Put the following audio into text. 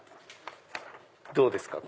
どうですか？